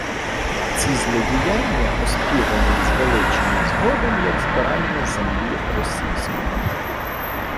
Ці злодіяння оспівані й звеличені згодом як «збирання землі російської»